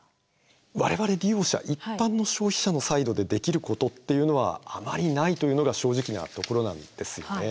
我々利用者一般の消費者のサイドでできることっていうのはあまりないというのが正直なところなんですよね。